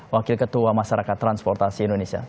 wakil ketua masyarakat transportasi indonesia